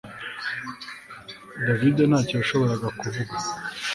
David ntacyo yashoboraga kuvuga